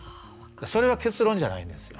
それは結論じゃないんですよ。